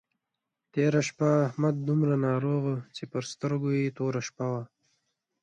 تېره شپه احمد دومره ناروغ وو چې پر سترګو يې توره شپه وه.